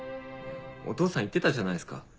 お父さん言ってたじゃないっすか。